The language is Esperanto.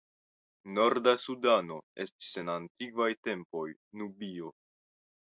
Norda Sudano estis en antikvaj tempoj Nubio.